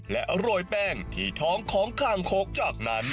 และโรยแป้งที่ท้องของคางโค้กจากนั้น